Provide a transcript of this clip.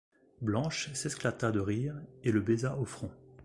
Blanche s’esclata de rire, et le baisa au front.